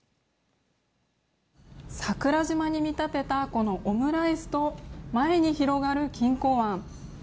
桜島に見立てたこのオムライスと前に広がる錦江湾。